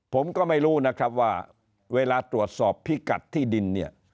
ผมก็ไม่รู้นะครับว่าเวลาตรวจสอบพิกัดที่ดินเนี่ย